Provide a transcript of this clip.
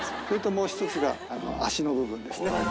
それともう１つが足の部分ですね。